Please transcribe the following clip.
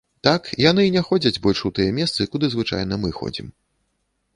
Так, яны і не ходзяць больш у тыя месцы, куды звычайна мы ходзім.